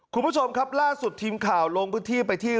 คุณผู้ชมครับล่าสุดทีมข่าวลงพื้นที่ไปที่